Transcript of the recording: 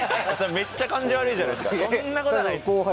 めっちゃ感じ悪いじゃないですかそんなことはないです。